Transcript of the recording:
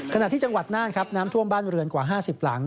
ขณะที่จังหวัดน่านครับน้ำท่วมบ้านเรือนกว่า๕๐หลัง